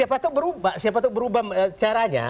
ya saya belum tahu siapa tahu berubah caranya